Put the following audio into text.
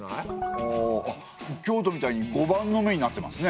ああっ京都みたいに碁盤の目になってますね。